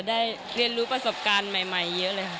ได้เรียนรู้ประสบการณ์ใหม่เยอะเลยค่ะ